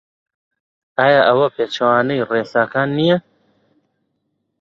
ئایا ئەوە پێچەوانەی ڕێساکان نییە؟